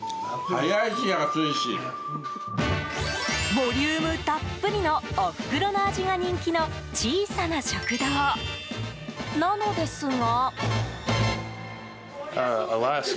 ボリュームたっぷりのおふくろの味が人気の小さな食堂なのですが。